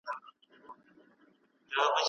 خیبره، څه کیسه ده په انګریز، چې داسې ریږدي؟